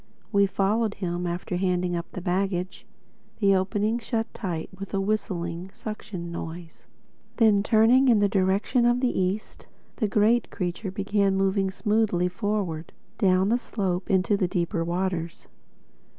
We followed him, after handing up the baggage. The opening shut tight with a whistling suction noise. Then turning in the direction of the East, the great creature began moving smoothly forward, down the slope into the deeper waters.